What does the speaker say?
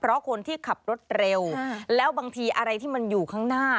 เพราะคนที่ขับรถเร็วแล้วบางทีอะไรที่มันอยู่ข้างหน้า